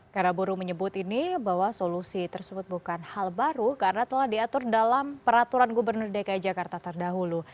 karena buruh menyebut ini bahwa solusi tersebut bukan hal baru karena telah diatur dalam peraturan gubernur dki jakarta terdahulu